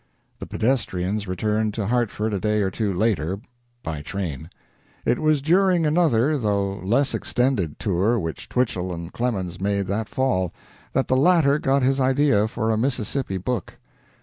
The pedestrians returned to Hartford a day or two later by train. It was during another, though less extended, tour which Twichell and Clemens made that fall, that the latter got his idea for a Mississippi book.